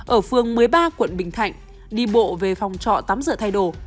ở phương một mươi ba quận bình thạnh đi bộ về phòng trọ tắm dựa thay đồ